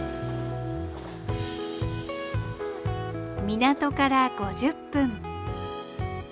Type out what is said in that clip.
港から５０分。